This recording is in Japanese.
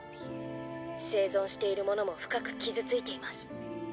生存している者も深く傷ついています。